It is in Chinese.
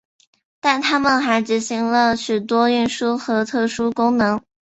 但他们还执行了许多运输和特殊功能。